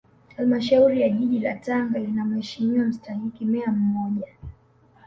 Halmashauri ya Jiji la Tanga ina Mheshimiwa Mstahiki Meya mmoja